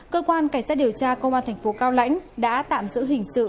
cơ quan cảnh sát điều tra công an thành phố cao lãnh đã tạm giữ hình sự